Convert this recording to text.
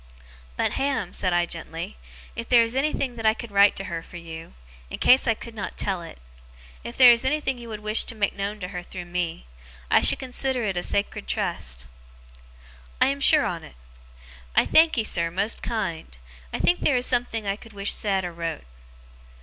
'But, Ham,' said I, gently, 'if there is anything that I could write to her, for you, in case I could not tell it; if there is anything you would wish to make known to her through me; I should consider it a sacred trust.' 'I am sure on't. I thankee, sir, most kind! I think theer is something I could wish said or wrote.